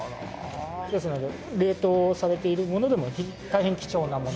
ですので冷凍されているものでも大変貴重なもの。